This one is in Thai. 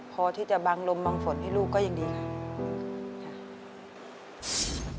พอที่จะบังลมบางฝนให้ลูกก็ยังดีค่ะ